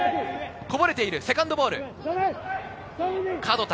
こぼれているセカンドボール、角田。